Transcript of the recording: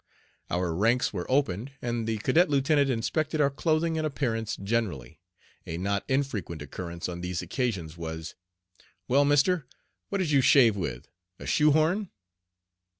Our ranks were opened and the cadet lieutenant inspected our clothing and appearance generally. A not infrequent occurrence on these occasions was: "Well, mister, what did you shave with a shoehorn?"